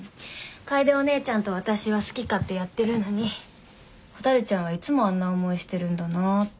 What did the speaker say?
楓お姉ちゃんと私は好き勝手やってるのに蛍ちゃんはいつもあんな思いしてるんだなって。